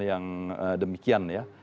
yang demikian ya